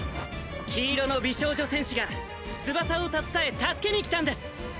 黄色の美少女戦士が翼を携え助けに来たんです